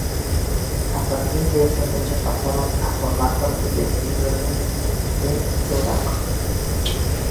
A partir de esa fecha pasaron a formar parte del señorío de Daroca.